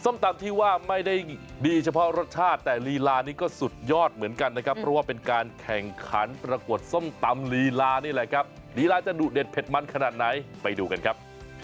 ตำที่ว่าไม่ได้ดีเฉพาะรสชาติแต่ลีลานี้ก็สุดยอดเหมือนกันนะครับเพราะว่าเป็นการแข่งขันประกวดส้มตำลีลานี่แหละครับลีลาจะดุเด็ดเผ็ดมันขนาดไหนไปดูกันครับ